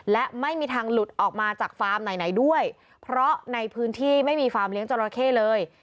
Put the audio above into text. และไม่มีทางหลุดออกมาจากฟาร์มไหนไหนด้วยเพราะในพื้นที่ไม่มีฟาร์มเลี้ยงจราเข้เลย